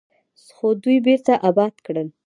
خو دوی بیرته اباد کړل.